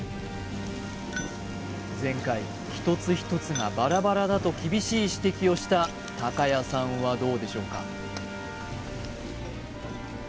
前回１つ１つがバラバラだと厳しい指摘をした矢さんはどうでしょうか？